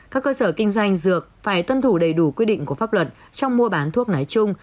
các cơ sở kinh doanh dược phải tuân thủ đầy đủ quy định của pháp luật trong mua bán thuốc nói chung